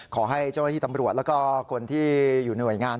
ขอให้เจ้าหน้าที่ตำรวจแล้วก็คนที่อยู่หน่วยงาน